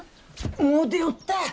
もう出よった。